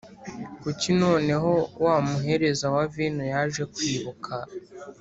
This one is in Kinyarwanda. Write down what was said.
Kuki noneho wa muhereza wa vino yaje kwibuka